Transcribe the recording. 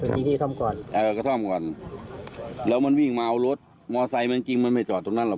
มีที่ซ่อมก่อนเออกระท่อมก่อนแล้วมันวิ่งมาเอารถมอไซค์มันจริงมันไม่จอดตรงนั้นหรอก